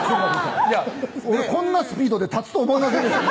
俺こんなスピードで立つと思いませんでした